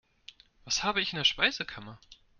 Was habe ich in der Speisekammer?